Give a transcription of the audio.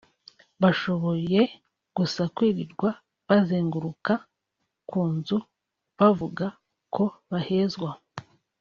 bashoboye gusa kwirirwa bazenguruka ku nzu bavuga ko bahezwa